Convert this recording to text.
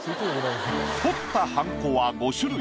彫ったはんこは５種類。